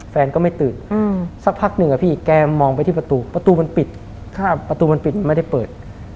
แฟนก็ไม่ตื่นสักพักหนึ่งอะพี่แกมองไปที่ประตูประตูมันปิดประตูมันปิดไม่ได้เปิด